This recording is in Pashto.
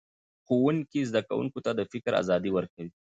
ښوونکی زده کوونکو ته د فکر ازادي ورکوي